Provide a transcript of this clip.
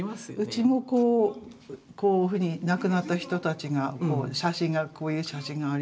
うちもこういうふうに亡くなった人たちが写真がこういう写真がありました。